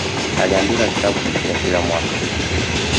Aliandika kitabu kipya kila mwaka